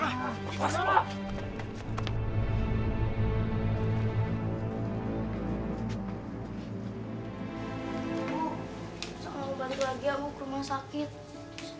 ibu kenapa aku bantu lagi kamu ke rumah sakit